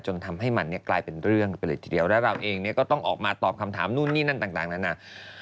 จนทำให้มันเนี่ยกลายเป็นเรื่องไปเลยทีเดียวแล้วเราเองเนี่ยก็ต้องออกมาตอบคำถามนู่นนี่นั่นต่างนานา